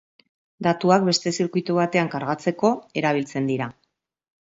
Datuak beste zirkuitu batean kargatzeko erabiltzen dira.